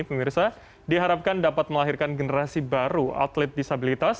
pemirsa diharapkan dapat melahirkan generasi baru atlet disabilitas